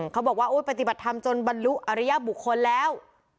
เขาบอกว่าปฏิบัติธรรมจนบรรลุอริยบุคคลแล้ว